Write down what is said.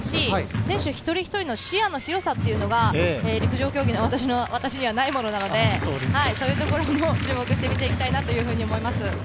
選手一人一人の視野の広さが私にはないので、そういうところにも注目して見ていきたいと思います。